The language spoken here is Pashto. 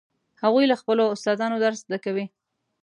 هغوی له خپلو استادانو درس زده کوي